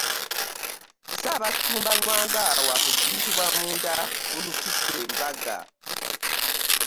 Ssaabasumba Lwanga wa kuziikibwa Munda mu lutikko e Lubaga